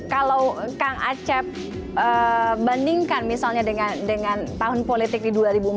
kalau kang acep bandingkan misalnya dengan tahun politik di dua ribu empat belas